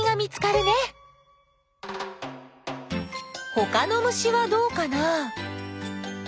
ほかの虫はどうかな？